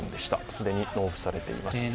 既に納付されています。